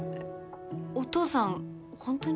お父さんホントに？